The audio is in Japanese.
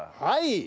はい！